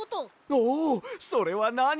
おおそれはなに？